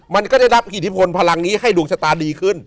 มันก็ได้รับอิทธิพลพลังนี้ให้ดวงชะตาดีขึ้น